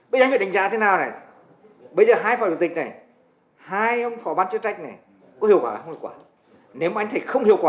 bây giờ anh phải đánh giá thế nào này bây giờ hai phó chủ tịch này hai ông phó ban chuyên trách này có hiệu quả hay không hiệu quả